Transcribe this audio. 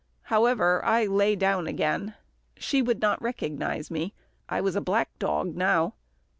However, I lay down again. She would not recognise me. I was a black dog now.